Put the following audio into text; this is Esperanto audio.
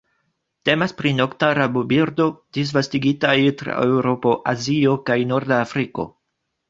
Temas pri nokta rabobirdo, disvastigitaj tra Eŭropo, Azio kaj norda Afriko.